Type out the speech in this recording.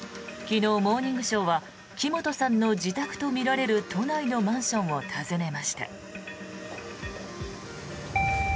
昨日「モーニングショー」は木本さんの自宅とみられる都内のマンションを訪ねました。